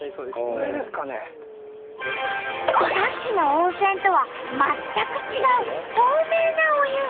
さっきの温泉とは全く違う透明なお湯。